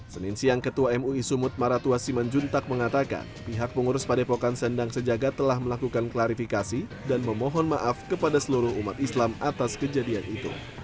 senin siang ketua mui sumut maratua simanjuntak mengatakan pihak pengurus padepokan sendang sejaga telah melakukan klarifikasi dan memohon maaf kepada seluruh umat islam atas kejadian itu